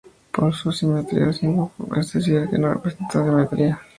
Por su simetría zigomorfas, es decir que no presentan simetría.